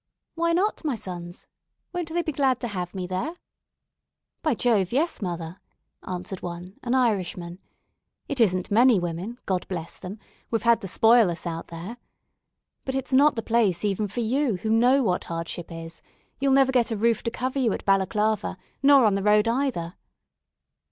"Why not, my sons? won't they be glad to have me there?" "By Jove! yes, mother," answered one, an Irishman. "It isn't many women God bless them! we've had to spoil us out there. But it's not the place even for you, who know what hardship is. You'll never get a roof to cover you at Balaclava, nor on the road either."